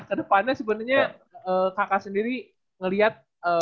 ke depannya sebenernya kakak sendiri ngeliat